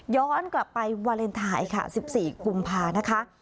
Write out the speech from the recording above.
ย้อนกลับไปวาเลนไทยค่ะ๑๔กุมภานะคะ